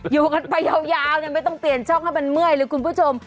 อยู่กันไปยาวไม่ต้องเปลี่ยนช่องให้มันเมื่อยเลยคุณผู้ชม